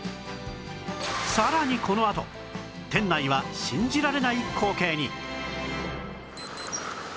さらにこのあと店内は信じられない光景に